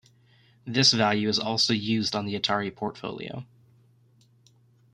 This value is also used on the Atari Portfolio.